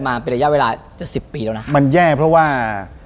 มันแย่เพราะว่า